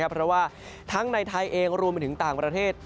เพราะว่าทั้งในไทยเองรวมไปถึงต่างประเทศ